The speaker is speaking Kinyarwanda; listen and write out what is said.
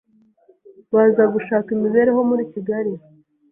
baza gushaka imibereho muri Kigali